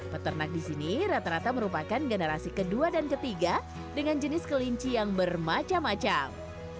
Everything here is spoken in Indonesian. peternak di sini rata rata merupakan generasi ke dua dan ke tiga dengan jenis kelinci yang bermacam macam